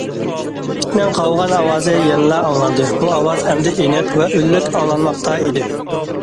ئىتنىڭ قاۋىغان ئاۋازى يەنىلا ئاڭلاندى، بۇ ئاۋاز ئەمدى ئېنىق ۋە ئۈنلۈك ئاڭلانماقتا ئىدى.